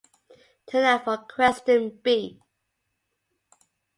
Turnout for question B.